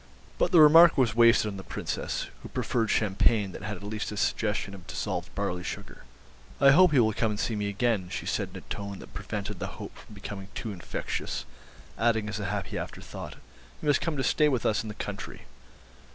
But the remark was wasted on the Princess, who preferred champagne that had at least a suggestion of dissolved barley sugar. "I hope you will come and see me again," she said, in a tone that prevented the hope from becoming too infectious; adding as a happy afterthought, "you must come to stay with us in the country."